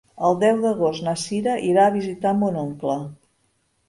El deu d'agost na Sira irà a visitar mon oncle.